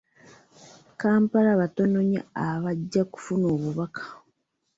Kampala batono nnyo abajja okufuna obubaka.